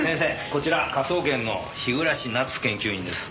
こちら科捜研の日暮奈津研究員です。